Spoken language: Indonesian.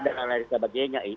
dan lain sebagainya